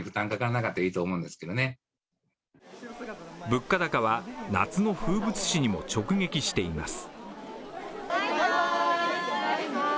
物価高は、夏の風物詩にも直撃しています。